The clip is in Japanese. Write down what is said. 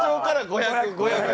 ５００５００。